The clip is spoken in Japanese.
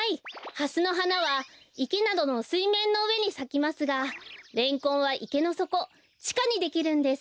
ハスのはなはいけなどのすいめんのうえにさきますがレンコンはいけのそこちかにできるんです。